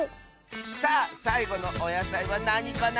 さあさいごのおやさいはなにかな？